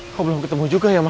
kok belum ketemu juga ya mas